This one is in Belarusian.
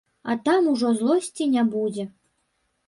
А там ужо злосці не будзе.